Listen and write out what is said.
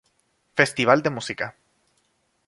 Festival de Música.